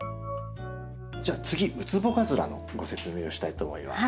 じゃあ次ウツボカズラのご説明をしたいと思います。